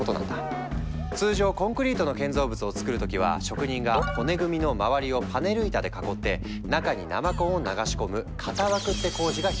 通常コンクリートの建造物をつくる時は職人が骨組みの周りをパネル板で囲って中に生コンを流し込む「型枠」って工事が必須だったの。